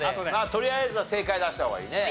とりあえずは正解出した方がいいね。